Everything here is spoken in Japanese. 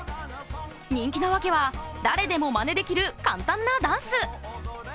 人気のワケは、誰でもまねできる簡単なダンス。